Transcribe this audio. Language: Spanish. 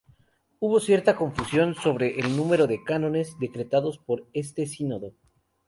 Hubo cierta confusión sobre el número de cánones decretados por este Sínodo.